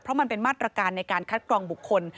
เพราะมันเป็นมาตรการในการคัดกรองบุคคล